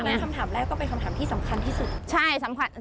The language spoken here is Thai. แล้วคำถามแรกก็เป็นคำถามที่สำคัญที่สุด